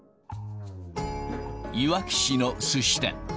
いわき市のすし店。